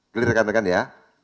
beli rekan rekan ya